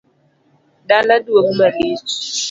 Dala duong’ malich